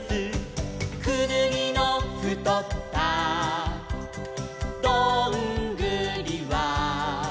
「くぬぎのふとったどんぐりは」